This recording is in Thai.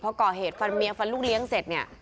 พอก่อเหตุฟันเมียฟันลูกเลี้ยงเสร็จเนี่ย